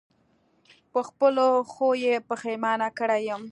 په خپلو ښو یې پښېمانه کړی یم.